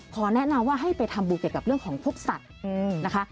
แนะนำว่าให้ไปทำบุญเกี่ยวกับเรื่องของพวกสัตว์นะคะ